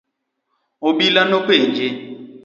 Obila nopenje.